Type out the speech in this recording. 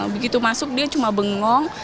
begitu masuk dia cuma bengong